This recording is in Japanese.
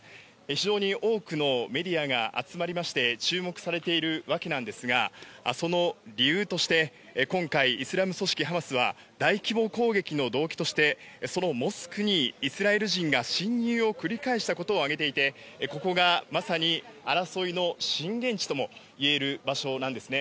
非常に多くのメディアが集まりまして、注目されているわけなんですが、その理由として、今回、イスラム組織ハマスは、大規模攻撃の動機として、そのモスクにイスラエル人が侵入を繰り返したことを挙げていて、ここがまさに争いの震源地ともいえる場所なんですね。